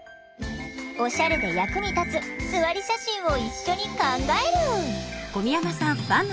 オシャレで役に立つすわり写真を一緒に考える。